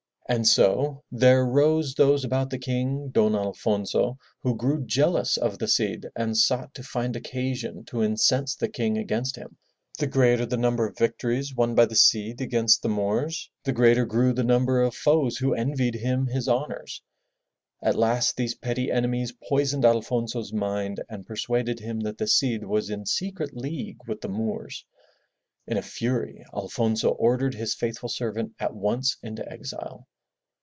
And so there rose those about the King, Don Alfonso, who grew jealous of the Cid and sought to find occasion to incense the King against him. The greater the number of victories won by the Cid against the Moors, the greater grew the number of foes who envied him his honors. At last these petty enemies poisoned Alfonso's mind and persuaded him that the Cid was in secret league with the Moors. In a fury Alfonso ordered his faithful servant at once into exile.